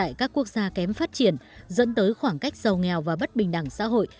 tại các quốc gia kém phát triển dẫn tới khoảng cách giàu nghèo và bất bình đẳng xã hội